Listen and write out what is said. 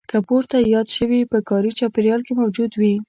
که پورته یاد شوي په کاري چاپېریال کې موجود وي.